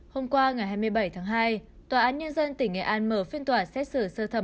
hôm qua ngày hai mươi bảy tháng hai tòa án nhân dân tỉnh nghệ an mở phiên tòa xét xử sơ thẩm